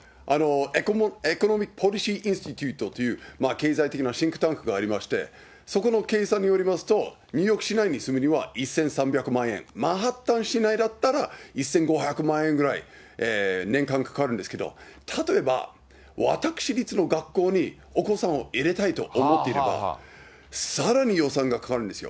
エコノミックポリシーインストゥートという経済的なシンクタンクがありまして、そこによりますと、ニューヨーク市内で１３００万円、マンハッタンだったら１５００万円ぐらい、年間かかるですけど、例えば私立の学校にお子さんを入れたいと思っていれば、さらに予算がかかるんですよ。